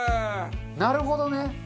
なるほどね。